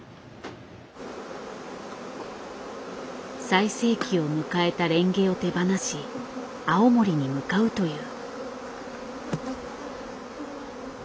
最盛期を迎えたレンゲを手放し青森に向かうという。